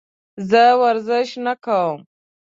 زه ورزش نه کوم.